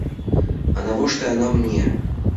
А навошта яна мне?